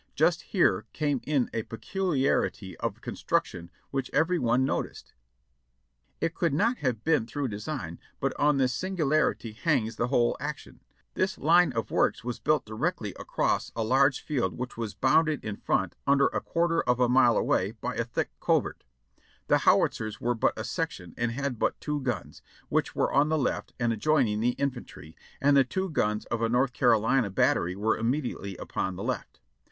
Just here came in a peculiarity of construction which every one noticed. It could not have been through design, but on this singularity hangs the whole action. ' nTr.T irr PRIVATE I.AMBERT S SHOT 57 1 "This line of works was built directly across a large field which was bounded in front, about a quarter of a mile away, by a thick covert. "The Howitzers were but a section, and had but two guns, which were on the left and adjoining the infantry, and the two guns of a North Carolina battery were immediately upon the left.